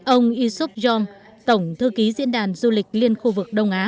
ông isup jong tổng thư ký diễn đàn du lịch liên khu vực đông á